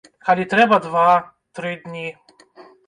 Калі трэба два, тры дні.